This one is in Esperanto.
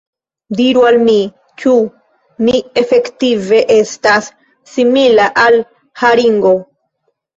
Diru al mi, ĉu mi efektive estas simila al haringo?